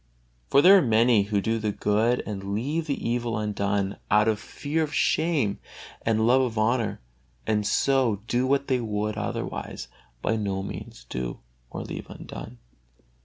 For there are many who do the good and leave the evil undone out of fear of shame and love of honor, and so do what they would otherwise by no means do or leave undone.